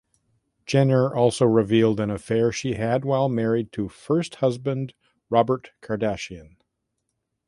Jenner also revealed an affair she had while married to first husband Robert Kardashian.